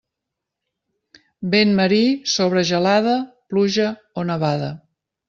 Vent marí sobre gelada, pluja o nevada.